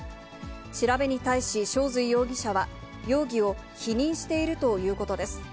調べに対し、翔随容疑者は容疑を否認しているということです。